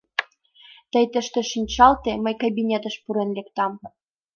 Тый тыште шинчалте, мый кабинетыш пурен лектам.